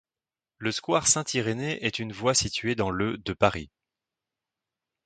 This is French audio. Le square Saint-Irénée est une voie située dans le de Paris.